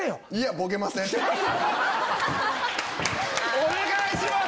お願いします！